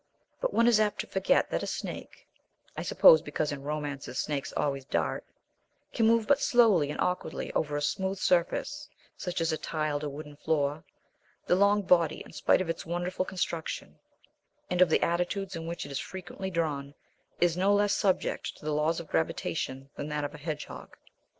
But one is apt to forget that a snake (I suppose because in romances snakes always "dart") can move but slowly and awkwardly over a smooth surface, such as a tiled or wooden floor. The long body, in spite of its wonderful construction, and of the attitudes in which it is frequently drawn, is no less subject to the laws of gravitation than that of a hedgehog.